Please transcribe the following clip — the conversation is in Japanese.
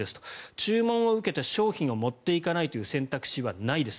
注文を受けて商品を持っていかないという選択肢はないです。